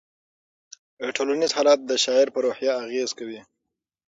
ټولنیز حالات د شاعر په روحیه اغېز کوي.